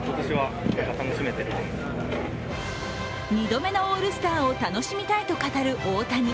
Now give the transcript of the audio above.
２度目のオールスターを楽しみたいと語る大谷。